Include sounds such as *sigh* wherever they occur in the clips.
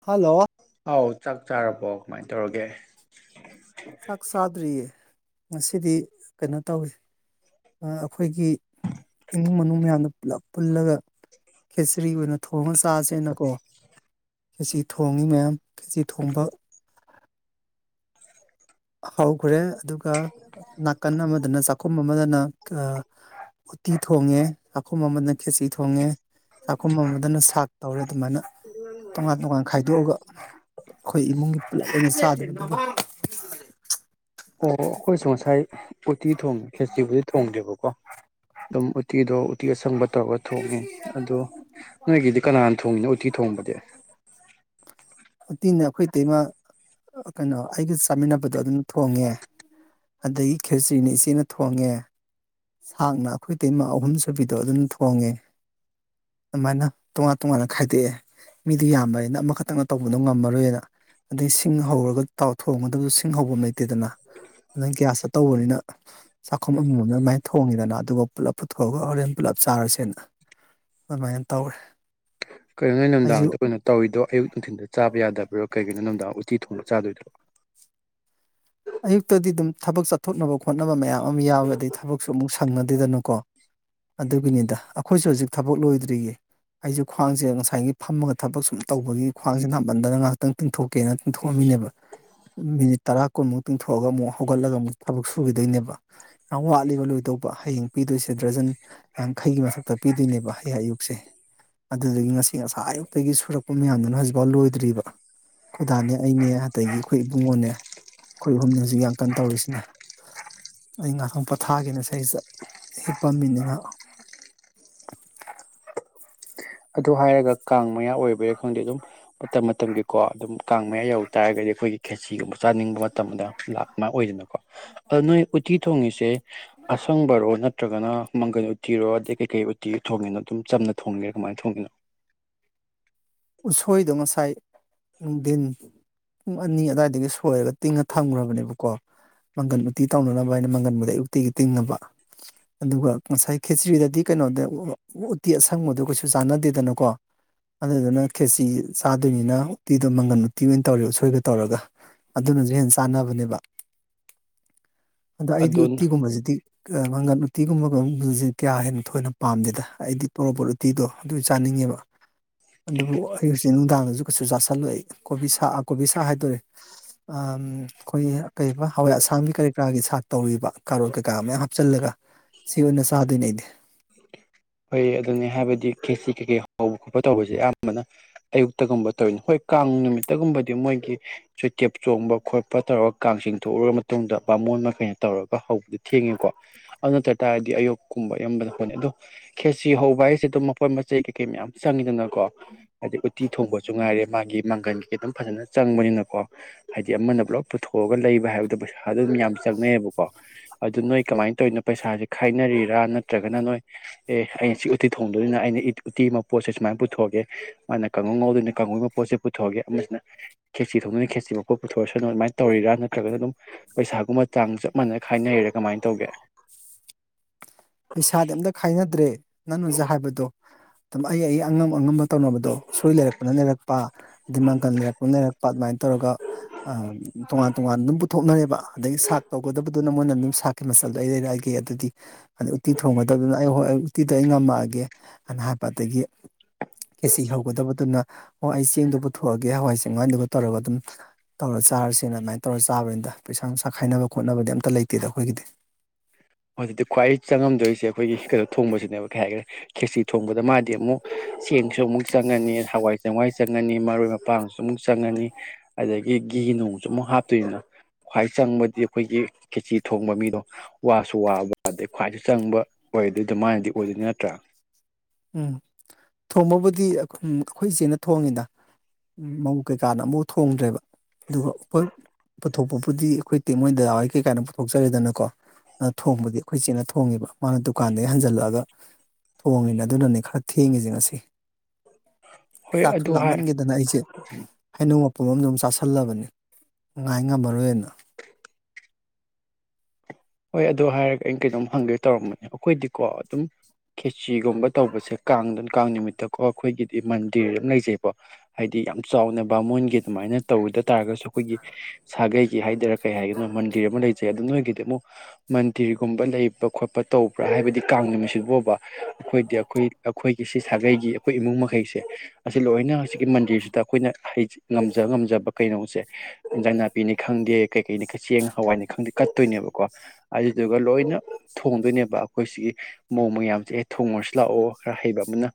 Hello ꯑꯥꯎ ꯆꯥꯛ ꯆꯥꯔꯕꯣ ꯀꯃꯥꯏꯅ ꯇꯧꯔꯒꯦ ꯆꯥꯛ ꯆꯥꯗ꯭ꯔꯤꯌꯦ ꯉꯁꯤꯗꯤ ꯀꯩꯅꯣ ꯇꯧꯋꯦ ꯑꯩꯈꯣꯏꯒꯤ ꯏꯃꯨꯡ ꯃꯅꯨꯡ ꯃꯌꯥꯝꯗ ꯄꯨꯂꯞ ꯄꯨꯜꯂꯒ ꯈꯦꯆ꯭ꯔꯤ ꯑꯣꯏꯅ ꯊꯣꯡꯉ ꯆꯥꯁꯦꯅꯀꯣ ꯈꯦꯆ꯭ꯔꯤ ꯊꯣꯡꯉꯤ ꯃꯌꯥꯝ ꯈꯦꯆ꯭ꯔꯤ ꯊꯣꯡꯕ ꯍꯧꯈ꯭ꯔꯦ ꯑꯗꯨꯒ ꯅꯥꯀꯟ ꯑꯃꯗꯅ ꯆꯥꯛꯈꯨꯝ ꯑꯃꯗꯅ ꯎꯇꯤ ꯊꯣꯡꯉꯦ ꯆꯥꯛꯈꯨꯝ ꯑꯃꯅ ꯈꯦꯁꯤ ꯊꯣꯡꯉꯦ ꯆꯥꯛꯈꯨꯝ ꯑꯃꯗꯅ ꯁꯥꯛ ꯇꯧꯔꯦ ꯑꯗꯨꯃꯥꯏꯅ ꯇꯣꯉꯥꯟ ꯇꯣꯉꯥꯟ ꯈꯥꯏꯗꯣꯛꯑꯒ ꯑꯩꯈꯣꯏ ꯏꯃꯨꯡꯒꯤ ꯄꯨꯂꯥꯞ ꯑꯣꯢꯅ ꯆꯥꯗꯨꯢꯕ ꯑꯣ ꯑꯩꯈꯣꯏꯁꯨ ꯉꯁꯥꯏ ꯎꯇꯤ ꯊꯣꯡꯉꯦ ꯈꯦꯆꯤꯕꯨꯗꯤ ꯊꯣꯡꯗ꯭ꯔꯦꯕꯀꯣ ꯑꯗꯨꯝ ꯎꯇꯤꯗꯣ ꯎꯇꯤ ꯑꯁꯪꯕ ꯇꯧꯔꯒ ꯊꯣꯡꯉꯦ ꯑꯗꯣ ꯅꯣꯏꯒꯤꯗꯤ ꯀꯅꯥꯅ ꯊꯣꯡꯉꯤꯅꯣ ꯎꯇꯤ ꯊꯣꯡꯕꯗꯤ *inaudible* ꯎꯇꯤꯅ ꯑꯩꯈꯣꯏ ꯑꯇꯩꯃꯥ ꯀꯩꯅꯣ ꯑꯩꯒ ꯆꯥꯃꯤꯟꯅꯕꯗꯣ ꯑꯗꯨꯅ ꯊꯣꯡꯉꯦ ꯑꯗꯒꯤ ꯈꯦꯆ꯭ꯔꯤꯅ ꯏꯆꯦꯅ ꯊꯣꯡꯉꯦ ꯁꯥꯡꯅ ꯑꯩꯈꯣꯏ ꯏꯇꯩꯃꯥ ꯑꯍꯨꯝ ꯁꯨꯕꯤꯗꯣ ꯑꯗꯨꯅ ꯊꯣꯡꯉꯦ ꯑꯗꯨꯃꯥꯏꯅ ꯇꯣꯉꯥꯟ ꯇꯣꯉꯥꯟꯅ ꯈꯥꯏꯗꯣꯛꯑꯦ ꯃꯤꯗꯨ ꯌꯥꯝꯕꯅꯤꯅ ꯑꯃꯈꯛꯇꯪꯅ ꯇꯧꯕꯗꯣ ꯉꯝꯃꯔꯣꯏꯅ ꯑꯗꯩ ꯁꯤꯡ ꯍꯧꯔꯒ ꯇꯥꯎ ꯊꯣꯡꯒꯗꯕꯁꯨ ꯁꯤꯡ ꯍꯧꯕ ꯂꯩꯇꯦꯗꯅ ꯑꯗꯨꯢ ꯒ꯭ꯌꯥꯁꯇ ꯇꯧꯕꯅꯤꯅ ꯆꯥꯛꯈꯨꯝ ꯑꯃ ꯑꯃꯝ ꯑꯗꯨꯃꯥꯏꯅ ꯊꯣꯡꯉꯤꯗꯅ ꯑꯗꯨꯒ ꯄꯨꯂꯞ ꯄꯨꯊꯣꯛꯑꯒ ꯍꯣꯔꯦꯟ ꯄꯨꯂꯞ ꯆꯥꯔꯁꯦꯅ ꯑꯗꯨꯃꯥꯏꯅ ꯇꯧꯔꯦ ꯀꯩꯅꯣ ꯅꯣꯏ ꯑꯩꯁꯨ ꯅꯨꯡꯗꯥꯡꯗ ꯑꯣꯏꯅ ꯇꯧꯔꯤꯗꯣ ꯑꯌꯨꯛ ꯅꯨꯡꯊꯤꯟꯗ ꯆꯥꯕ ꯌꯥꯗꯕ꯭ꯔꯣ ꯀꯩꯒꯤꯅꯣ ꯅꯨꯡꯗꯥꯡꯗ ꯎꯇꯤ ꯊꯣꯡꯕ ꯆꯥꯗꯣꯏꯗ꯭ꯔꯣ ꯑꯌꯨꯛꯇꯗꯤ ꯑꯗꯨꯝ ꯊꯕꯛ ꯆꯠꯊꯣꯛꯅꯕ ꯈꯣꯠꯅꯕ ꯃꯌꯥꯝ ꯑꯃ ꯌꯥꯎꯋꯦ ꯑꯗꯩ ꯊꯕꯛꯁꯨ ꯑꯃꯨꯛ ꯁꯪꯅꯗꯦꯗꯅꯨꯀꯣ ꯑꯗꯨꯒꯤꯅꯤꯗ ꯑꯩꯈꯣꯏꯁꯨ ꯍꯧꯖꯤꯛ ꯊꯕꯛ ꯂꯣꯏꯗ꯭ꯔꯤꯌꯦ ꯑꯩꯁꯦ ꯈ꯭ꯋꯥꯡꯁꯦ ꯉꯁꯥꯏꯒꯤ ꯐꯝꯃꯒ ꯊꯕꯛ ꯁꯨꯝ ꯇꯧꯕꯒꯤ ꯈ꯭ꯋꯥꯡꯁꯦ ꯅꯥꯃꯟꯗꯅ ꯉꯥꯏꯍꯥꯛꯇꯪ ꯇꯤꯡꯊꯣꯛ ꯀꯩꯅꯣ ꯊꯣꯛꯑꯝꯃꯤꯅꯦꯕ ꯃꯤꯅꯤꯠ ꯇꯔꯥ ꯀꯨꯟꯃꯨꯛ ꯇꯤꯡꯊꯣꯛꯑꯒ ꯑꯃꯨꯛ ꯍꯧꯒꯠꯂꯒ ꯑꯃꯨꯛ ꯊꯕꯛ ꯁꯨꯈꯤꯗꯣꯏꯅꯦꯕ ꯌꯥꯝ ꯋꯥꯠꯂꯤꯕ ꯂꯣꯏꯗꯧꯕ ꯍꯌꯦꯡ ꯄꯤꯗꯣꯏꯁꯦ ꯗ꯭ꯔꯖꯟ ꯌꯥꯡꯈꯩꯒꯤ ꯃꯊꯛꯇ ꯄꯤꯗꯣꯏꯅꯦꯕ ꯍꯌꯦꯡ ꯑꯌꯨꯛꯁꯦ ꯑꯗꯨꯗꯨꯒꯤ ꯉꯁꯤ ꯉꯁꯥꯢ ꯑꯌꯨꯛꯇꯒꯤ ꯁꯨꯔꯛꯄ ꯃꯌꯥꯝꯗꯨꯅ ꯍꯧꯖꯤꯛꯐꯥꯎ ꯂꯣꯏꯗ꯭ꯔꯤꯕ ꯈꯣꯢ ꯗꯥꯅꯦ ꯑꯩꯅꯦ ꯑꯗꯒꯤ ꯑꯩꯈꯣꯏ ꯏꯕꯨꯡꯉꯣꯅꯦ ꯑꯩꯈꯣꯏ ꯑꯍꯨꯝꯅꯤ ꯍꯧꯖꯤꯛ ꯌꯥꯝ ꯀꯟ ꯇꯧꯔꯤꯁꯤꯅ ꯑꯩ ꯉꯥꯏꯍꯥꯛ ꯄꯣꯊꯥꯒꯦꯅ ꯍꯦꯛꯄꯝꯃꯤꯅꯤꯅꯦ ꯉꯥꯛ ꯑꯗꯨ ꯍꯥꯏꯔꯒ ꯀꯥꯡ ꯃꯌꯥ ꯑꯣꯏꯕꯩꯔꯥ ꯈꯪꯗꯦ ꯑꯗꯨꯝ ꯃꯇꯝ ꯃꯇꯝꯒꯤꯀꯣ ꯑꯗꯨꯝ ꯀꯥꯡ ꯃꯌꯥ ꯌꯧ ꯇꯥꯔꯒꯗꯤ ꯑꯩꯈꯣꯏꯒꯤ ꯈꯦꯁꯤꯒꯨꯝꯕ ꯆꯥꯅꯤꯡꯕ ꯃꯇꯝꯗ ꯂꯥꯛ ꯥꯑꯗꯨꯃꯥꯢ ꯑꯣꯏꯗꯅꯀꯣ ꯑꯗ ꯅꯣꯏ ꯎꯠꯇꯤ ꯊꯣꯡꯉꯤꯁꯦ ꯑꯁꯪꯕꯔꯣ ꯅꯠꯇ꯭ꯔꯒꯅ ꯃꯪꯒꯟ ꯎꯇꯤꯔꯣ ꯑꯗꯩ ꯀꯩꯀꯩ ꯎꯇꯤ ꯊꯣꯡꯉꯤꯅꯣ ꯑꯗꯨꯝ ꯆꯝꯅ ꯊꯣꯡꯉꯤꯔꯣ ꯀꯃꯥꯏꯅ ꯊꯣꯡꯉꯤꯅꯣ ꯎꯁꯣꯏꯗꯣ ꯉꯁꯥꯏ ꯅꯨꯡꯊꯤꯟ ꯄꯨꯡ ꯑꯅꯤ ꯑꯗꯨꯋꯥꯏꯗꯒꯤ ꯁꯣꯏꯔꯒ ꯇꯤꯡꯉ ꯊꯝꯈ꯭ꯔꯕꯅꯦꯕꯀꯣ ꯃꯪꯒꯟ ꯎꯇꯤ ꯇꯧꯅꯅꯕ ꯍꯥꯏꯅ ꯃꯪꯒꯟꯕꯨꯗꯩ ꯑꯌꯨꯛꯇꯩ ꯇꯤꯡꯉꯕ ꯑꯗꯨꯒ ꯉꯁꯥꯏ ꯈꯦꯆ꯭ꯔꯤꯗꯗꯤ ꯀꯩꯅꯣꯒ ꯎꯇꯤ ꯑꯁꯪꯕꯗꯣ ꯀꯩꯁꯨ ꯆꯥꯟꯅꯗꯦꯗꯅꯀꯣ ꯑꯗꯨꯗꯨꯅ ꯈꯦꯆꯤ ꯆꯥꯗꯣꯏꯅꯤꯅ ꯎꯇꯤꯗꯣ ꯃꯪꯒꯟ ꯎꯇꯤ ꯑꯣꯏꯅ ꯇꯧꯔꯦ ꯎꯁꯣꯏꯒ ꯇꯧꯔꯒ ꯑꯗꯨꯅꯁꯨ ꯍꯦꯟꯅ ꯆꯥꯟꯅꯕꯅꯦꯕ ꯑꯗꯣ ꯑꯩꯗꯤ ꯎꯠꯇꯤꯒꯨꯝꯕꯁꯤꯗꯤ ꯃꯪꯒꯟ ꯎꯇꯤꯒꯨꯝꯕꯁꯦ ꯀꯌꯥ ꯍꯦꯟꯅ ꯊꯣꯏꯅ ꯄꯥꯝꯗꯦꯗ ꯑꯩꯗꯤ ꯄꯣꯔꯣꯄꯣꯔꯠ ꯎꯇꯤꯗꯣ ꯑꯗꯨ ꯆꯥꯅꯤꯡꯉꯦꯕ ꯑꯗꯨꯕꯨ ꯑꯩ ꯍꯧꯖꯤꯛ ꯅꯨꯡꯗꯥꯡꯗꯁꯨ ꯀꯩꯁꯨ ꯆꯥꯁꯤꯜꯂꯣꯏ ꯀꯣꯕꯤ ꯁꯥ ꯀꯣꯕꯤ ꯁꯥꯛ ꯍꯥꯏꯗꯣꯔꯦ ꯑꯩꯈꯣꯏꯒꯤ ꯀꯩ ꯍꯋꯥꯏ ꯑꯁꯥꯡꯒꯤ ꯀꯔꯤ ꯀꯔꯥꯒꯤ ꯁꯥꯥꯛ ꯇꯧꯔꯤꯕ ꯀꯥꯔꯣꯟ ꯀꯩꯀꯥ ꯃꯌꯥꯝ ꯍꯥꯞꯆꯤꯜꯂꯒ ꯑꯁꯤ ꯑꯣꯏꯅ ꯆꯥꯗꯣꯏꯅꯦ ꯑꯩꯗꯤ ꯍꯣꯏ ꯑꯗꯨꯅꯤ ꯍꯥꯏꯕꯗꯤ ꯈꯦꯁꯤ ꯀꯩꯀꯩ ꯍꯧꯕ ꯈꯣꯠꯄ ꯇꯧꯕꯁꯦ ꯑꯌꯥꯝꯕꯅ ꯑꯌꯨꯛꯇꯒꯨꯝꯕ ꯇꯧꯔꯤꯅꯤ ꯍꯣꯏ ꯀꯥꯡ ꯅꯨꯃꯤꯠꯇꯒꯨꯝꯕꯗꯤ ꯃꯣꯏꯒꯤ ꯆꯣꯏꯇꯦꯞ ꯆꯣꯡꯕ ꯈꯣꯠꯄ ꯇꯧꯔꯒ ꯀꯥꯡ ꯆꯤꯡꯊꯎꯔꯕ ꯃꯇꯨꯡꯗ ꯕꯥꯃꯣꯟ ꯃꯈꯩꯅ ꯇꯧꯔꯒ ꯍꯧꯕꯗꯤ ꯊꯦꯡꯉꯦꯀꯣ? ꯑꯗꯨ ꯅꯠꯇ ꯇꯥꯔꯗꯤ ꯑꯌꯨꯛꯀꯨꯝꯕ ꯑꯌꯥꯝꯕꯅ ꯍꯣꯠꯅꯩ ꯑꯗꯣ ꯈꯦꯁꯤ ꯍꯧꯕ ꯍꯥꯏꯁꯦ ꯑꯗꯨꯝ ꯃꯈꯣꯏ ꯃꯆꯩ ꯀꯩꯀꯩ ꯃꯌꯥꯝ ꯆꯪꯉꯤꯗꯅꯀꯣ? ꯑꯗꯩ ꯎꯠꯇꯤ ꯊꯣꯡꯕꯁꯨ ꯉꯥꯏꯔꯦ ꯃꯥꯒꯤ ꯃꯥꯡꯒꯟꯒꯤ ꯑꯗꯨꯝ ꯐꯖꯅ ꯆꯪꯕꯅꯤꯅꯀꯣ꯫ ꯍꯥꯏꯗꯤ ꯑꯃꯅ ꯄꯨꯂꯞ ꯄꯨꯊꯣꯛꯑꯒ ꯂꯩꯕ ꯍꯥꯏꯕꯗꯣ ꯄꯩꯁꯥ ꯑꯗꯨꯝ ꯌꯥꯝ ꯆꯪꯅꯩꯑꯕꯀꯣ꯫ ꯑꯗꯨ ꯅꯣꯏ ꯀꯃꯥꯏꯅ ꯇꯧꯔꯤꯅꯣ ꯄꯩꯁꯥꯁꯦ ꯈꯥꯏꯅꯔꯤꯔꯥ ꯅꯠꯇ꯭ꯔꯒꯅ ꯅꯣꯏ ꯑꯦ ꯑꯩꯩꯅ ꯁꯤ ꯎꯇꯤ ꯊꯣꯡꯗꯣꯏꯅꯤꯅ ꯑꯩꯅ ꯎꯇꯤ ꯃꯄꯣꯠꯁꯦ ꯁꯨꯃꯥꯏꯅ ꯄꯨꯊꯣꯛꯑꯒꯦ, ꯃꯥꯅ ꯀꯥꯡꯉꯧ ꯉꯧꯗꯣꯏꯅ ꯀꯥꯡꯉꯧꯒꯤꯕ ꯄꯣꯠꯁꯦ ꯄꯨꯊꯣꯛꯑꯒꯦ ꯑꯃꯅ ꯈꯦꯠꯆꯤ ꯊꯣꯡꯗꯣꯏꯅꯤ ꯈꯦꯠꯆꯤ ꯃꯄꯣꯛ ꯄꯨꯊꯣꯔꯑꯁꯅꯨ ꯑꯗꯨꯃꯥꯏꯅ ꯇꯧꯔꯤꯔ ꯅꯠꯇ꯭ꯔꯒ ꯑꯗꯨꯝ ꯄꯩꯁꯥꯒꯨꯝꯕ ꯆꯥꯡ ꯆꯞ ꯃꯥꯟꯅꯅ ꯈꯥꯏꯅꯩꯔꯦ ꯀꯃꯥꯏꯅ ꯇꯧꯒꯦ? ꯄꯩꯁꯥꯗꯤ ꯑꯝꯇ ꯈꯥꯏꯅꯗ꯭ꯔꯦ ꯅꯪꯅꯥ ꯍꯥꯏꯕꯗꯣ꯫ ꯗꯨꯝ ꯑꯩ ꯑꯩ ꯒꯤ ꯑꯉꯝ ꯑꯉꯝꯕ ꯇꯧꯅꯕꯗꯣ ꯎꯁꯣꯏ ꯂꯩꯔꯛꯄꯅ ꯂꯩꯔꯛꯄ, ꯃꯥꯡꯒꯟ ꯂꯩꯔꯛꯄꯅ ꯂꯩꯔꯛꯄ ꯑꯗꯨꯃꯥꯏꯅ ꯇꯧꯔꯒ, ꯇꯣꯉꯥꯟ ꯇꯣꯉꯥꯟ ꯑꯗꯨꯝ ꯄꯨꯊꯣꯛꯅꯔꯦꯕ ꯑꯗꯒꯤ ꯁꯥꯛ ꯇꯧꯒꯗꯕ ꯑꯗꯨꯅ ꯃꯣꯏꯅ ꯑꯗꯨꯝ ꯁꯥꯥꯛꯈꯤ ꯃꯆꯜꯗꯣ ꯑꯩ ꯂꯩꯔꯛꯑꯒꯦ ꯑꯗꯨꯗꯤ ꯑꯗꯩ ꯎꯠꯇꯤ ꯊꯣꯡꯕꯗꯕꯗꯅ ꯑꯩ ꯍꯣꯏ ꯑꯩ ꯎꯠꯇꯤꯗ ꯑꯩ ꯉꯝꯃꯛꯑꯒꯦ ꯑꯅ ꯍꯥꯏꯕ ꯑꯗꯒꯤ, ꯈꯦꯠꯆꯤ ꯍꯧꯒꯗꯕꯗꯨꯅ ꯑꯣ ꯑꯩ ꯆꯦꯡꯗꯨ ꯄꯨꯊꯣꯛꯑꯒꯦ ꯍꯋꯥꯏ ꯆꯦꯡꯋꯥꯏꯗꯨꯒ ꯇꯧꯔꯒ ꯑꯗꯨꯝ ꯇꯧꯔ ꯆꯥꯔꯁꯤꯅ ꯑꯗꯨꯃꯥꯏꯅ ꯇꯧꯔ ꯆꯥꯕꯅꯤꯗ ꯄꯩꯁꯥ ꯅꯨꯡꯁꯥ ꯈꯥꯏꯅꯕ ꯈꯣꯠꯅꯕꯗꯤ ꯑꯝꯇ ꯂꯩꯇꯦꯗ ꯑꯩꯈꯣꯏꯒꯤꯗꯤ꯫ ꯑꯗꯨꯗꯤ ꯈ꯭ꯨꯋꯥꯏ ꯆꯪꯉꯝꯗꯣꯏꯁꯦ ꯑꯩꯈꯣꯏꯒꯤ ꯀꯩꯅꯣ ꯊꯣꯡꯕꯁꯤꯅꯦꯕ ꯀꯩ ꯍꯥꯏꯈ꯭ꯔꯦ ꯈꯦꯠꯆꯤ ꯊꯣꯡꯕꯗ ꯃꯥꯗꯤ ꯑꯃꯨꯛ ꯆꯦꯡꯁꯨ ꯑꯃꯨꯛ ꯆꯪꯉꯅꯤ ꯍꯋꯥꯏ ꯆꯦꯡꯋꯥꯏ ꯆꯪꯉꯅꯤ ꯃꯔꯣꯏ ꯃꯄꯥꯡꯁꯨ ꯑꯃꯨꯛ ꯆꯪꯉꯅꯤ ꯑꯗꯒꯤ ꯘꯤ ꯅꯨꯡꯁꯨ ꯑꯃꯨꯛ ꯍꯥꯞꯇꯣꯏꯅ ꯈ꯭ꯋꯥꯏ ꯆꯪꯕꯗꯤ ꯑꯩꯈꯣꯏꯒꯤ ꯈꯦꯆꯤ ꯊꯣꯡꯕ ꯃꯤꯗꯣ ꯁꯨ ꯋꯥꯕ ꯑꯗꯩ ꯈ꯭ꯋꯥꯏꯁꯨ ꯆꯪꯕ ꯑꯣꯏꯗꯨꯏꯗꯣ ꯃꯥꯅꯗꯤ ꯑꯣꯏꯗꯣꯏꯅꯦ ꯅꯠꯇ꯭ꯔꯥ? ꯎꯝ ꯊꯣꯡꯕꯕꯨꯗꯤ ꯑꯩꯈꯣꯏ ꯏꯆꯦꯅ ꯊꯣꯡꯉꯤꯗ꯫ ꯎꯝ ꯃꯧ ꯀꯩꯀꯥꯅ ꯑꯝꯐꯥꯎ ꯊꯣꯡꯗ꯭ꯔꯦꯕ ꯑꯗꯨꯒ ꯑꯈꯣꯏ ꯄꯨꯊꯣꯛꯄꯕꯨꯗꯤ ꯑꯩꯈꯣꯏ ꯏꯇꯩꯃꯥ ꯍꯣꯏ ꯗꯥꯗꯥ ꯍꯣꯏ ꯀꯩꯀꯥꯅ ꯄꯨꯊꯣꯛꯆꯔꯦꯗꯅꯀꯣ꯫ ꯊꯣꯡꯕꯗꯤ ꯑꯩꯈꯣꯏ ꯆꯦꯅ ꯊꯣꯡꯉꯦꯕ ꯃꯥꯅ ꯗꯨꯀꯥꯟꯗꯒꯤ ꯍꯟꯖꯜꯂꯛꯑꯒ ꯊꯣꯡꯉꯤꯅ ꯑꯗꯨꯅꯅꯦ ꯈꯔ ꯊꯦꯡꯉꯤꯁꯦ ꯉꯁꯤ ꯍꯣꯏ ꯆꯥꯛꯁꯨ ꯑꯗꯨ ꯍꯥꯏ ꯂꯥꯝꯃꯟꯈꯤꯗꯅ ꯑꯩꯁꯦ꯫ ꯍꯩꯅꯧ ꯃꯄꯨꯝ ꯑꯝꯁꯨ ꯑꯃꯨꯛ ꯆꯥꯥꯁꯜꯂꯕꯅꯤ ꯉꯥꯏ ꯉꯝꯃꯔꯣꯏꯅ꯫ ꯍꯣꯏ ꯑꯗꯨ ꯍꯥꯏꯔꯒ ꯑꯩꯩꯅ ꯀꯩꯅꯣꯝ ꯍꯪꯒꯦ ꯇꯧꯔꯝꯕꯅꯤ ꯑꯩꯈꯣꯏꯗꯤꯀꯣ ꯑꯗꯨꯝ ꯈꯦꯆꯤꯒꯨꯝꯕ ꯇꯧꯕꯁꯦ ꯀꯥꯡꯗꯅ ꯀꯥꯡ ꯅꯨꯃꯤꯠꯇꯀꯣ ꯑꯩꯈꯣꯏꯒꯤꯗꯤ ꯃꯟꯗꯤꯔ ꯑꯃ ꯂꯩꯖꯩꯕ꯫ ꯍꯥꯏꯗꯤ ꯌꯥꯝ ꯆꯥꯎꯅ ꯕꯥꯃꯣꯟꯒꯤ ꯑꯗꯨꯃꯥꯏꯅ ꯇꯧꯗ ꯇꯥꯔꯒꯁꯨ ꯑꯩꯈꯣꯏꯒꯤ ꯁꯥꯒꯩꯒꯤ ꯍꯥꯏꯗꯔꯥ ꯀꯩ ꯍꯥꯏꯒꯅꯣ ꯃꯟꯗꯤꯔ ꯑꯃ ꯂꯩꯖꯩ ꯑꯗꯨ ꯅꯣꯏꯒꯤꯗꯤ ꯑꯃꯨꯛ ꯃꯟꯗꯤꯔꯒꯨꯝꯕ ꯂꯩꯕ ꯈꯣꯠꯄ ꯇꯧꯕ꯭ꯔꯥ? ꯍꯥꯏꯕꯗꯤ ꯀꯥꯡ ꯅꯨꯃꯤꯠꯁꯤꯕꯨꯕ꯫ ꯑꯩꯈꯣꯏꯗꯤ ꯑꯩꯈꯣꯏ ꯑꯩꯈꯣꯏꯒꯤ ꯁꯤ ꯁꯥꯒꯩꯒꯤ ꯑꯩꯈꯣꯏ ꯏꯃꯨꯡ ꯃꯈꯩꯁꯦ ꯑꯁꯤ ꯂꯣꯏꯅ ꯍꯧꯖꯤꯛꯀꯤ ꯃꯟꯗꯤꯔꯁꯤꯗ ꯑꯩꯈꯣꯏꯅ ꯉꯝꯖ ꯉꯝꯖꯕ ꯀꯩꯅꯣꯁꯦ ꯏꯟꯖꯥꯡ ꯅꯥꯄꯤꯅꯤ ꯈꯪꯗꯦ ꯀꯩꯀꯩꯅꯤ ꯆꯦꯡ ꯍꯋꯥꯏꯅꯤ ꯈꯪꯗꯦ ꯀꯠꯇꯣꯏꯅꯦꯕꯀꯣ꯫ ꯑꯗꯨꯗꯨꯒ ꯂꯣꯏꯅ ꯊꯣꯡꯗꯣꯏꯅꯦꯕ ꯑꯩꯈꯣꯏꯁꯤꯒꯤ ꯃꯧ ꯃꯌꯥꯝꯁꯦ ꯑꯦ ꯊꯣꯡꯉꯨꯔꯁꯨ ꯂꯥꯛꯑꯣ ꯈꯔ ꯍꯩꯕ ꯑꯃꯅ꯫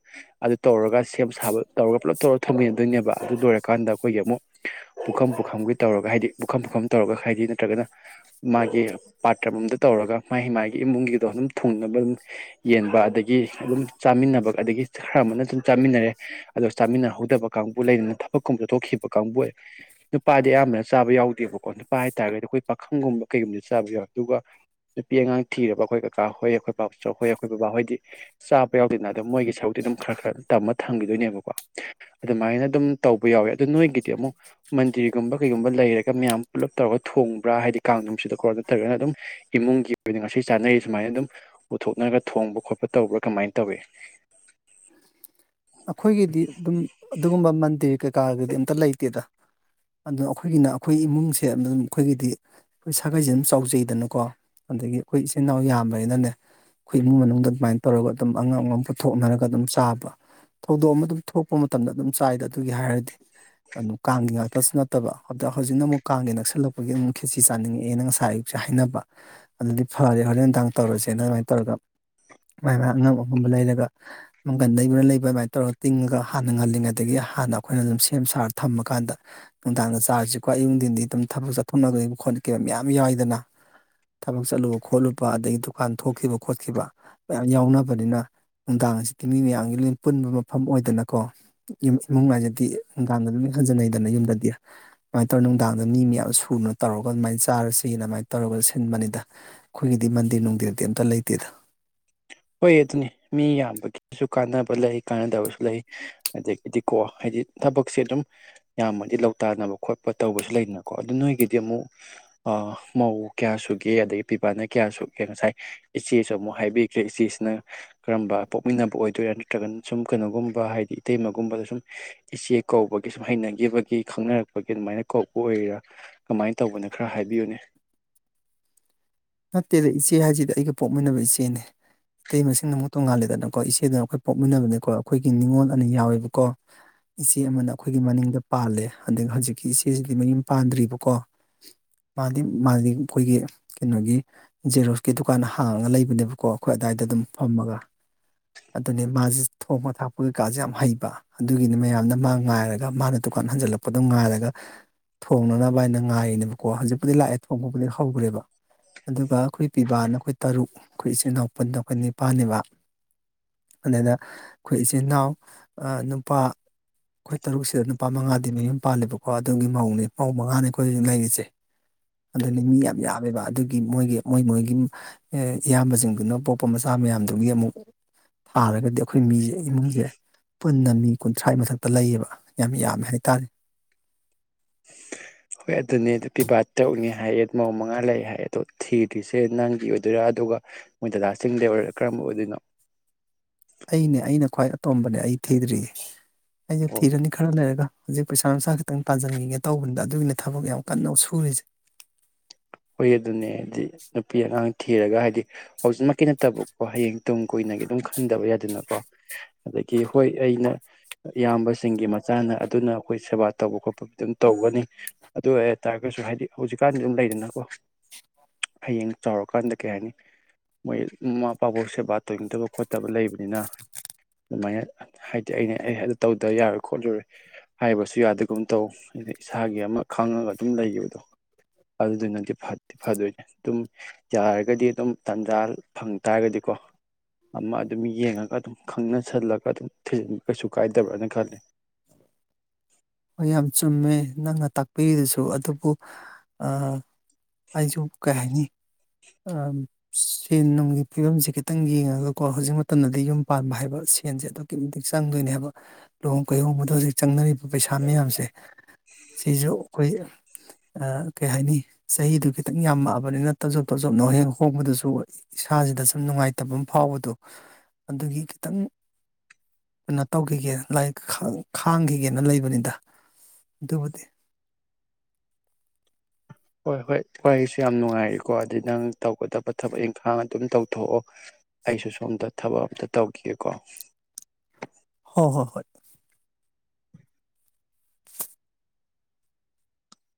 ꯑꯗꯨ ꯇꯧꯔꯒ ꯁꯦꯝ ꯁꯥꯕ ꯇꯧꯔꯒ ꯄꯨꯂꯞ ꯇꯧꯔꯒ ꯊꯝꯃꯤꯟꯅꯗꯣꯏꯅꯦꯕ ꯑꯗꯨ ꯂꯣꯏꯔꯀꯥꯟꯗ ꯑꯩꯈꯣꯏꯒꯤ ꯑꯃꯨꯛ ꯄꯨꯈꯝ ꯄꯨꯈꯝꯒꯤ ꯇꯧꯔꯒ ꯍꯥꯏꯗꯤ ꯄꯨꯈꯝ ꯄꯨꯈꯝ ꯇꯧꯔꯒ ꯍꯥꯏꯗꯤ ꯅꯠꯇ꯭ꯔꯒꯅ ꯃꯥꯒꯤ, ꯄꯥꯇ꯭ꯔ ꯑꯃꯃꯝꯗ ꯇꯧꯔꯒ ꯃꯥꯏ ꯃꯥꯏ ꯃꯥꯒꯤ ꯏꯃꯨꯡꯒꯤꯗꯣ ꯑꯗꯨꯝ ꯊꯨꯡꯅꯕ ꯌꯦꯟꯕ ꯑꯗꯒꯤ ꯑꯗꯨꯝ ꯆꯥꯃꯤꯟꯅꯕ ꯑꯗꯒꯤ ꯈꯔ ꯑꯃꯅ ꯑꯗꯨꯝ ꯆꯥꯃꯤꯟꯅꯔꯦ꯫ ꯑꯗꯥ ꯆꯥꯃꯤꯟꯅꯍꯧꯗꯕ ꯀꯥꯡꯕꯨ ꯂꯩꯗꯅ ꯊꯕꯛꯀꯨꯝꯕ ꯆꯊꯣꯛꯈꯤꯕ ꯀꯥꯡꯕꯨ ꯅꯨꯄꯥꯗꯤ ꯑꯌꯥꯝꯕꯅ ꯆꯥꯕ ꯌꯥꯎꯗꯦꯕꯀꯣ ꯅꯨꯄꯥ ꯍꯥꯏꯇꯥꯔꯒꯗꯤ ꯑꯩꯈꯣꯏ ꯄꯥꯈꯪꯒꯨꯝꯕ ꯀꯩꯒꯨꯝꯕꯗꯤ ꯆꯥꯕ ꯌꯥꯎꯏ ꯑꯗꯨꯒ ꯅꯨꯄꯤ ꯑꯉꯥꯡ ꯊꯤꯔꯕ ꯑꯩꯈꯣꯏ ꯀꯀꯥ ꯍꯣꯏ ꯑꯩꯈꯣꯏ ꯕꯥꯆꯧ ꯍꯣꯏ ꯑꯩꯈꯣꯏ ꯕꯕꯥꯍꯣꯏꯗꯤ ꯆꯥꯕ ꯌꯥꯎꯗꯦꯅ ꯑꯗꯨ ꯃꯣꯏꯒꯤ ꯁꯔꯨꯛꯇꯤ ꯑꯗꯨꯝ ꯈꯔ ꯈꯔ ꯇꯝꯃ ꯊꯝꯈꯤꯗꯣꯏꯅꯦꯕꯀꯣ ꯑꯗꯨꯃꯥꯏꯟꯅ ꯑꯗꯨꯝ ꯇꯧꯕ ꯌꯥꯎꯋꯦ ꯑꯗꯨ ꯅꯣꯏꯒꯤꯗꯤ ꯑꯃꯨꯛ ꯃꯟꯗꯤꯔꯒꯨꯝꯕ ꯀꯩꯒꯨꯝꯕ ꯂꯩꯔꯒ ꯃꯌꯥꯝ ꯄꯨꯂꯞ ꯇꯧꯔꯒ ꯊꯣꯡꯕ꯭ꯔꯥ ꯍꯥꯏꯗꯤ ꯀꯥꯡꯅꯨꯡꯁꯤꯗꯈꯣ ꯅꯠꯇ꯭ꯔꯒꯅ ꯑꯗꯨꯝ ꯏꯃꯨꯡꯒꯤ ꯑꯣꯏꯅ ꯉꯁꯤ ꯆꯥꯅꯔꯤ ꯁꯨꯃꯥꯏꯟꯅ ꯑꯗꯨꯝ ꯄꯨꯊꯣꯛꯅꯔꯒ ꯊꯣꯡꯕ ꯈꯣꯠꯄ ꯇꯧꯕ꯭ꯔꯥ ꯀꯃꯥꯏꯟ ꯇꯧꯏ ꯑꯩꯈꯣꯏꯒꯤꯗꯤ ꯑꯗꯨꯝ ꯑꯗꯨꯒꯨꯝꯕ ꯃꯟꯗꯤꯔ ꯀꯩꯀꯗꯨꯗꯤ ꯑꯝꯇ ꯂꯩꯇꯦꯗ ꯑꯗꯨꯅ ꯑꯩꯈꯣꯏꯒꯤꯅ ꯑꯩꯈꯣꯏ ꯏꯃꯨꯡꯁꯦ ꯑꯗꯨꯝ ꯑꯩꯈꯣꯏꯒꯤꯗꯤ ꯑꯩꯈꯣꯏ ꯁꯥꯒꯩꯁꯦ ꯑꯗꯨꯝ ꯆꯥꯎꯖꯩꯗꯅꯀꯣ ꯑꯗꯥꯒꯤ ꯑꯩꯈꯣꯏ ꯏꯆꯤꯟ ꯏꯅꯥꯎ ꯌꯥꯝꯕꯅꯤꯅꯅꯦ ꯑꯩꯈꯣꯏ ꯏꯃꯨꯡ ꯃꯅꯨꯡꯗ ꯑꯗꯨꯃꯥꯏꯟ ꯇꯧꯔꯒ ꯑꯗꯨꯝ ꯑꯉꯝ ꯑꯉꯝ ꯄꯨꯊꯣꯛꯅꯔꯒ ꯑꯗꯨꯝ ꯆꯥꯕ ꯊꯧꯗꯣꯛ ꯑꯃꯥ ꯑꯗꯨꯝ ꯊꯣꯛꯄ ꯃꯇꯝꯗ ꯑꯗꯨꯝ ꯆꯥꯏꯗ ꯑꯗꯨꯒꯤ ꯍꯥꯏꯔꯗꯤ ꯑꯗꯨꯝ ꯀꯥꯡꯒꯤ ꯉꯥꯛꯇꯁꯨ ꯅꯠꯇꯕ ꯑꯗꯨ ꯍꯧꯖꯤꯛꯅ ꯑꯃꯨꯛ ꯀꯥꯡꯒꯤ ꯅꯛꯁꯜꯂꯛꯄꯒꯤ ꯑꯃꯨꯛ ꯈꯦꯠꯆꯤ ꯆꯥꯅꯤꯡꯉꯛꯑꯦꯅ ꯉꯁꯥꯏ ꯁ‌ꯦ ꯍꯥꯏꯅꯕ ꯑꯗꯨꯗꯤ ꯐꯥꯔꯦ ꯍꯣꯔꯦꯟ ꯅꯨꯡꯗꯥꯡ ꯇꯧꯔꯁꯦꯅ ꯑꯗꯨꯃꯥꯏꯟ ꯇꯧꯔꯒ ꯃꯥꯏ ꯃꯥꯏ ꯑꯉꯝ ꯑꯉꯝꯕ ꯂꯩꯔꯒ ꯃꯪꯒꯟ ꯂꯩꯕꯅ ꯂꯩꯕ ꯑꯗꯨꯃꯥꯏꯟ ꯇꯧꯔꯒ ꯇꯤꯡꯉꯒ ꯍꯥꯟꯅ ꯉꯜꯂꯤꯉꯩꯗꯒꯤ ꯍꯥꯟꯅ ꯑꯩꯈꯣꯏꯅ ꯑꯗꯨꯝ ꯁꯦꯝ ꯁꯥꯔ ꯊꯝꯃꯀꯥꯟꯗ ꯅꯨꯡꯗꯥꯡꯗ ꯆꯥꯔꯁꯤꯀꯣ ꯑꯌꯨꯡꯊꯤꯟꯗꯤ ꯑꯗꯨꯝ ꯊꯥꯕꯛ ꯆꯠꯊꯣꯛꯅꯕꯩ ꯈꯣꯠꯅꯈꯩ ꯃꯌꯥꯝ ꯌꯥꯏꯗꯅ ꯊꯥꯕꯛ ꯆꯠꯂꯨꯕ ꯈꯣꯠꯂꯨꯕ ꯑꯗꯒꯤ ꯗꯨꯀꯥꯟ ꯊꯣꯛꯈꯤꯕ ꯈꯣꯠꯈꯤꯕ ꯃꯌꯥꯝ ꯌꯥꯎꯅꯕꯅꯤꯅ ꯅꯨꯡꯗꯥꯡ ꯍꯥꯏꯁꯤꯗꯤ ꯃꯤ ꯃꯌꯥꯝꯒꯤ ꯄꯨꯟꯕ ꯃꯐꯝ ꯑꯣꯏꯗꯅꯀꯣ ꯏꯃꯨꯡ ꯍꯥꯏꯖꯤꯗꯤ ꯅꯨꯡꯗꯥꯡꯗ ꯂꫭꯏ ꯍꯟꯖꯤꯟꯅꯩꯗꯅ ꯌꯨꯝꯗꯗꯤ ꯑꯗꯨꯃꯥꯏꯟ ꯇꯧꯔ ꯅꯨꯡꯗꯥꯡꯗ ꯃꯤ ꯃꯌꯥꯝ ꯁꯨꯅ ꯇꯧꯔꯒ ꯑꯗꯨꯃꯥꯏꯟ ꯆꯥꯔꯁꯤ ꯑꯗꯨꯃꯥꯏꯟ ꯇꯧꯔꯒ ꯁꯤꯟꯕꯅꯤꯗ ꯑꯩꯈꯣꯏꯒꯤꯗꯤ ꯃꯟꯗꯤꯔ ꯅꯨꯡꯗꯤꯔ ꯑꯝꯇ ꯂꯩꯇꯦꯗ ꯍꯣꯏ ꯑꯗꯨꯅꯤ ꯃꯤ ꯌꯥꯝꯕꯒꯤꯁꯨ ꯀꯥꯟꯅꯕ ꯂꯩ ꯀꯥꯟꯅꯗꯕꯁꯨ ꯂꯩ ꯑꯗꯥꯒꯤꯗꯤꯀꯣ ꯍꯥꯏꯗꯤ ꯊꯥꯕꯛꯁꯦ ꯑꯗꯨꯝ ꯌꯥꯝꯃꯗꯤ ꯂꯧ ꯇꯥꯟꯅꯕ ꯈꯣꯠꯄ ꯇꯧꯕꯁꯨ ꯂꯩꯗꯅꯀꯣ ꯑꯗꯨ ꯅꯣꯏꯒꯤꯗꯤ ꯑꯃꯨꯛ ꯑꯥ ꯃꯧ ꯀꯌꯥ ꯁꯨꯒꯦ ꯑꯗꯒꯤ ꯄꯤꯕꯥꯅ ꯀꯌꯥ ꯁꯨꯒꯦ ꯉꯁꯥꯏ ꯏꯆꯦꯁꯨ ꯑꯃꯨꯛ ꯍꯥꯏꯕꯤ ꯏꯆ‌ꯦꯁꯤꯅ ꯀꯔꯝꯕ ꯄꯣꯛꯃꯤꯟꯅꯕ ꯑꯣꯏꯗꯣꯏꯔ ꯅꯠꯇ꯭ꯔꯒꯅ ꯁꯨꯝ ꯀꯩꯅꯣꯒꯨꯝꯕ ꯍꯥꯏꯕꯗꯤ ꯏꯇꯩꯃꯒꯨꯝꯕ ꯁꯨꯝ ꯏꯆꯦ ꯀꯧꯕꯒꯤ ꯁꯨꯝ ꯍꯩꯅꯈꯤꯕꯒꯤ ꯈꯪꯅꯔꯛꯄꯒꯤ ꯑꯗꯨꯃꯥꯏꯅ ꯀꯧꯕ ꯑꯣꯏꯔ ꯀꯃꯥꯏꯟ ꯇꯧꯕꯅꫭ ꯈꯔ ꯍꯥꯏꯕꯤꯌꯨꯅꯦ ꯅꯠꯇꯦꯗ ꯏꯆꯦ ꯍꯥꯏꯁꯤꯗꯤ ꯑꯩꯒ ꯄꯣꯛꯃꯤꯟꯅꯕ ꯏꯆꯦꯅꯤ ꯏꯇꯩꯃꯁꯤꯅ ꯑꯃꯨꯛ ꯇꯣꯡꯉꯥꯜꯂꯦꯗꯅꯀꯣ ꯏꯆꯦꯗꯅ ꯑꯩꯈꯣꯏ ꯄꯣꯛꯃꯤꯟꯅꯕꯅꯦꯀꯣ ꯑꯩꯈꯣꯏꯒꯤ ꯅꯤꯡꯉꯣꯜ ꯑꯅꯤ ꯌꯥꯎꯋꯦꯕꯀꯣ ꯏꯆꯦ ꯑꯃꯥꯅ ꯑꯩꯈꯣꯏꯒꯤ ꯃꯅꯤꯡꯗ ꯄꯥꯜꯂꯦ ꯑꯗꯩ ꯍꯧꯖꯤꯛꯀꯤ ꯏꯆꯦꯁꯤꯗꯤ ꯃꯌꯨꯝ ꯄꯥꯟꯗ꯭ꯔꯤꯕꯀꯣ ꯃꯥꯗꯤ ꯃꯥꯗꯤ ꯑꯩꯈꯣꯏꯒꯤ ꯀꯩꯅꯣꯒꯤ ꯖꯦꯔꯣꯁꯀꯤ ꯗꯨꯀꯥꯟ ꯍꯥꯡꯉꯒ ꯂꯩꯕꯅꯦꯕꯀꯣ ꯑꯩꯈꯣꯏ ꯑꯗꯥꯏꯗ ꯑꯗꯨꯝ ꯐꯝꯃꯒ ꯑꯗꯨꯅꯦ ꯃꯥꯁꯦ ꯊꯣꯡꯕ ꯊꯥꯛꯄ ꯀꯩꯀꯥꯁꯦ ꯌꯥꯝ ꯍꯩꯕ ꯑꯗꯨꯒꯤꯅꯤ ꯃꯌꯥꯝꯅ ꯃꯥ ꯉꯥꯏꯔꯒ ꯃꯥꯅ ꯗꯨꯀꯥꯟ ꯍꯟꯖꯤꯜꯂꯛꯄꯗꯣ ꯉꯥꯏꯔꯒ ꯊꯣꯡꯅꯅꯕ ꯉꯥꯏꫪꯤꯅꯦꯕꯀꯣ ꯍꯧꯖꯤꯛꯄꯨꯗꯤ ꯂꯥꯛꯑꯦ ꯊꯣꯡꯕꯕꯨꯗꯤ ꯍꯧꯈ꯭ꯔꯦꯕ ꯑꯗꯨꯒ ꯑꯩꯈꯣꯏ ꯄꯤꯕꯥꯅ ꯑꯩꯈꯣꯏ ꯇꯔꯨꯛ ꯑꯩꯈꯣꯏ ꯏꯆꯤꯜ ꯏꯅꯥꯎ ꯄꯨꯟꯅ ꯑꯩꯈꯣꯏ ꯅꯤꯄꯥꯜꯅꯦꯕ ꯑꯗꯨꯅꯦꯗ ꯑꯩꯈꯣꯏ ꯏꯆꯤꯟ ꯏꯅꯥꯎ ꯑꯥ ꯅꯨꯄꯥ ꯑꯩꯈꯣꯏ ꯇꯔꯨꯛꯁꯤꯗ ꯅꯨꯄꯥ ꯃꯉꯥꯗꯤ ꯃꯌꯨꯝ ꯄꯥꯜꯂꯤꯕꯀꯣ ꯑꯗꯨꯒꯤ ꯃꯧꯅꯤ ꯃꯧ ꯃꯉꯥꯅꯤ ꯑꯩꯈꯣꯏ ꯍꯧꯖꯤꯛ ꯂꯩꯔꯤꯁꯦ ꯑꯗꯨꯅꯤ ꯃꯤ ꯌꯥꯝ ꯌꯥꯝꯃꯦꯕ ꯑꯗꯨꯏ ꯃꯣꯏꯒꯤ ꯃꯣꯏ ꯃꯣꯏꯒꯤ ꯑꯥ ꯏꯌꯥꯝꯕꯁꯤꯡꯗꯨꯅ ꯄꯣꯛꯄ ꯃꯆꯥ ꯃꯌꯥꯝꯗꯨꯒꯤ ꯑꯃꯨꯛ ꯄꯥꯔꯒꯗꯤ ꯑꯩꯈꯣꯏ ꯃꯤ ꯏꯃꯨꯡꯁꯦ ꯄꯨꯟꯅ ꯃꯤ ꯀꯨꯟꯊ꯭ꯔꯥ ꯃꯊꯛꯇ ꯂꯩꯌꯦꯕ ꯌꯥꯝ ꯌꯥꯝꯃꯦ ꯍꯥꯏꯇꯥꯔꯦ ꯍꯣꯏ ꯑꯗꯨꯅꯦ ꯑꯗꯨ ꯄꯤꯕꯥ ꯇꯧꯛꯅꯤ ꯍꯥꯏꯌꯦ ꯃꯆꯤꯟꯃꯥꯅꯥꯎ ꯃꯉꯥ ꯂꯩ ꯍꯥꯏꯌꯦ ꯑꯗꯣ ꯊꯤꯗ꯭ꯔꯤꯁꯦ ꯅꯪꯒꯤ ꯑꯣꯏꯗꯣꯏꯔꯥ ꯑꯗꯨꯒ ꯃꯣꯏ ꯗꯗꯥꯁꯤꯡꯗ ꯑꯣꯏꯔ ꯀꯔꯝꯕ ꯑꯣꯏꯗꯣꯏꯅꯣ ꯑꯩꯅꯦ ꯑꯩꯅ ꯈ꯭ꯋꯥꯏ ꯑꯇꯣꯝꯕꯅꯦ ꯑꯩ ꯊꯤꯗ꯭ꯔꯤꯌꯦ ꯑꯩꯁꯨ ꯑꯣ ꯊꯤꯔꯅꯤ ꯈꯔ ꯂꯩꯔꯒ ꯍꯧꯖꯤꯛ ꯄꯩꯁꯥ ꯅꯨꯡꯁꯥ ꯈꯤꯇꯪ ꯇꯥꯟꯁꯤꯟꯈꯤꯒꯦ ꯇꯧꯕꯅꯤꯗ ꯑꯗꯨꯒꯤꯅꯤ ꯊꯕꯛ ꯌꯥꯝ ꯀꯟꯅ ꯁꯨꯔꯤꯁꯦ ꯍꯨꯏ ꯑꯗꯨꯅꯦ ꯍꯥꯏꯗꯤ ꯅꯨꯄꯤ ꯑꯉꯥꯡ ꯊꯤꯔꯒ ꯍꯥꯏꯗꯤ ꯍꯧꯖꯤꯛꯃꯛꯀꯤ ꯅꯠꯇꯕꯀꯣ ꯍꯌꯦꯡ ꯇꯨꯡ ꯀꯨꯏꯅꯒꯤ ꯑꯗꯨꯝ ꯈꯟꯗꯕ ꯌꯥꯗꯅꯀꯣ ꯑꯗꯒꯤ ꯍꯣꯏ ꯑꯩꯅ ꯏꯌꯥꯝꯕꯁꯤꯡꯒꯤ ꯃꯆꯥꯅ ꯑꯗꯨꯅ ꯑꯩꯈꯣꯏ ꯁꯦꯕꯥ ꯇꯧꯕ ꯈꯣꯠꯄ ꯑꯗꯨꯝ ꯇꯧꯒꯅꯤ ꯑꯗꯨ ꯑꯣꯏꯇꯥꯔꯒꯁꯨ ꯍꯥꯏꯗꯤ ꯍꯧꯖꯤꯛꯀꯥꯟꯗꯤ ꯑꯗꯨꯝ ꯂꯩꯗꯅꯀꯣ ꯍꯌꯦꯡ ꯆꯥꯎꯔꯀꯥꯟꯗ ꯀꯩ ꯍꯥꯏꯅꯤ ꯃꯣꯏ ꯃꯃꯥ ꯃꯄꯥꯐꯥꯎ ꯁꯦꯕꯥ ꯇꯧꯅꯤꯡꯗꯕ ꯈꯣꯠꯇꯕ ꯂꯩꯕꯅꯤꯅ ꯑꯗꯨꯃꯥꯏꯅ ꯍꯥꯏꯗꯤ ꯑꯩꯅ ꯑꯩ ꯇꯧꯗ ꯌꯥꯔꯣꯏ ꯈꯣꯠꯂꯨꯔꯣꯏ ꯍꯥꯏꯕꯁꯨ ꯌꯥꯗꯒꯨꯝ ꯇꯧ ꯑꯩꯅ ꯏꯁꯥꯒꯤ ꯑꯃ ꯈꯪꯉꯒ ꯑꯗꯨꯝ ꯂꯩꯈꯤꯕꯗꯣ ꯑꯗꯨꯗꯨꯅ ꯗꯤ ꯐꯠꯇꯦ ꯐꯗꯣꯏꯅꯦ ꯑꯗꯨꯝ ꯌꯥꯔꯒꯗꯤ ꯑꯗꯨꯝ ꯇꯥꯟꯖꯥ ꯐꯪ ꯇꯥꯔꯒꯗꯤꯀꯣ ꯑꯃ ꯑꯗꯨꯝ ꯌꯦꯡꯉꯒ ꯑꯗꯨꯝ ꯈꯪꯅꯁꯜꯂꯒ ꯑꯗꯨꯝ ꯊꯤꯖꯤꯟꯕ ꯀꯩꯁꯨ ꯀꯥꯏꯗꯕ꯭ꯔꯅ ꯈꯜꯂꯤ ꯍꯣꯏ ꯌꯥꯝ ꯆꯨꯝꯃꯦ ꯅꯪꯅ ꯇꯥꯛꯄꯤꯔꯤꯗꯨꯁꯨ ꯑꯗꯨꯕꯨ ꯑꯩꯁꯨ ꯀꯩꯅꯤ ꯑ ꯁꯦꯟ ꯅꯨꯡꯒꯤ ꯐꯤꯕꯝꯁꯦ ꯈꯤꯇꯪ ꯌꯦꯡꯉꯒꯀꯣ ꯍꯧꯖꯤꯛ ꯃꯇꯝꯗꯗꯤ ꯌꯨꯝ ꯄꯥꯟꯕ ꯍꯥꯏꯕ ꯁꯦꯟꯁꯦ ꯑꯗꯨꯝ ꯑꯗꯨꯛꯀꯤ ꯃꯇꯤꯛ ꯆꯪꯗꯣꯏꯅꯦ ꯂꯨꯍꯣꯡ ꯀꯨꯍꯣꯡꯕꯗ ꯍꯧꯖꯤꯛ ꯆꯪꯅꯔꯤꯕ ꯄꯩꯁꯥ ꯃꯌꯥꯝꯁꯦ ꯁꯤꯁꯨ ꯑꯩꯈꯣꯏ ꯀꯩ ꯍꯥꯏꯅꯤ ꯆꯍꯤꯗꯨ ꯈꯤꯇꯪ ꯌꯥꯝꯃꯛꯑꯕꯅꯤꯅ ꯇꯧꯖꯣꯞ ꯇꯧꯖꯣꯞꯅ ꯍ ꯍꯣꯡꯕꯗꯨꯁꯨ ꯏꯁꯥꯁꯤꯗ ꯁꯨꯝ ꯅꯨꯡꯉꯥꯏꯇꯕ ꯑꯃ ꯐꯥꯎꯕꯗꯣ ꯑꯗꯨꯒꯤ ꯈꯤꯇꯪ ꯀꯩꯅꯣ ꯇꯧꯈꯤꯒꯦ ꯂꯥꯏꯔꯤꯛ ꯈꯥꯡꯈꯤꯒꯦꯅ ꯂꯩꯕꯅꯤꯗ ꯑꯗꯨꯕꯨꯗꯤ ꯍꯣꯏ ꯍꯣꯏ ꯍꯣꯏ ꯑꯩꯁꯨ ꯌꯥꯝ ꯅꯨꯡꯉꯥꯏꯔꯤꯀꯣ ꯑꯗꯨꯗꯤ ꯅꯪ ꯇꯧꯒꯗꯕ ꯊꯕꯛ ꯏꯪꯈꯥꯡ ꯑꯗꯨꯝ ꯇꯧꯊꯣꯛꯑꯣ ꯑꯩꯁꯨ ꯁꯣꯝꯗ ꯊꯕꯛ ꯑꯝꯇ ꯇꯧꯈꯤꯒꯦ ꯀꯣ ꯍꯣꯏ ꯍꯣꯏ ꯍꯣꯏ